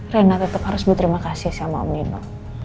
renat tetap harus berterima kasih sama om nino